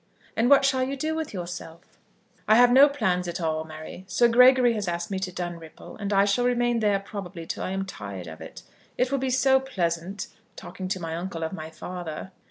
"And what shall you do with yourself?" "I have no plans at all, Mary. Sir Gregory has asked me to Dunripple, and I shall remain there probably till I am tired of it. It will be so pleasant, talking to my uncle of my father."